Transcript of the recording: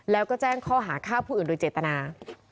แล้วก็แจ้งข้อหาฆ่าผู้อื่นโดยเจตนา